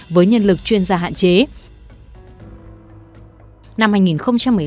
với nhân lực chuyên gia iran iran đã đặt tổng số ba trăm linh máy bay ở nước này